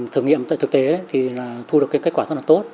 thử nghiệm tại thực tế thì thu được kết quả rất là tốt